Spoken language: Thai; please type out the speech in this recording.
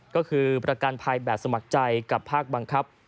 ก็คือประกันภัยแบบสมัครใจกับภาคบังคับ